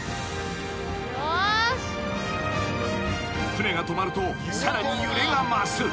［船が止まるとさらに揺れが増す］